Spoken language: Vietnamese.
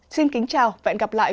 xin kính chào và hẹn gặp lại